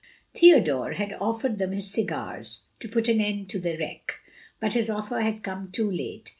Theodore had offered them his cigars, to put an end to the reek, but his offer had come too late.